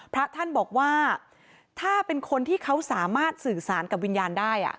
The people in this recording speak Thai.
พระท่านบอกว่าถ้าเป็นคนที่เขาสามารถสื่อสารกับวิญญาณได้